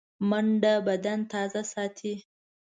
منډه بدن تازه ساتي